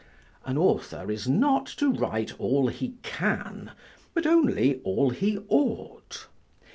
An author is not to write all he can, but only all he ought.